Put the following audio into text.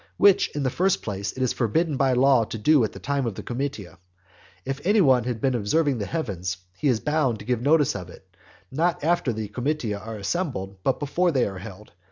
which in the first place it is forbidden by law to do at the time of the comitia. And if any one has been observing the heavens, he is bound to give notice of it, not after the comitia are assembled, but before they are held.